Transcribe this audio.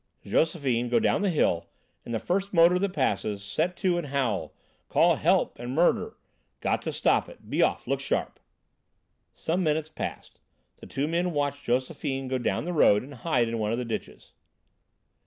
"Josephine, go down the hill and the first motor that passes, set to and howl; call 'help' and 'murder'; got to stop it. Be off! Look sharp!" Some minutes passed. The two men watched Josephine go down the road and hide in one of the ditches.